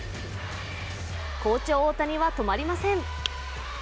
好調・大谷は止まりません。